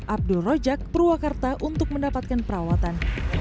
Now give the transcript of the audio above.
abdul rojak purwakarta untuk mendapatkan perawatan